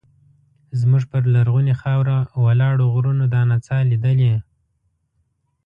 زموږ پر لرغونې خاوره ولاړو غرونو دا نڅا لیدلې.